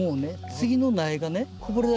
次の苗がね